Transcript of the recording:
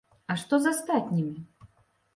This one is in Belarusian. А што з астатнімі?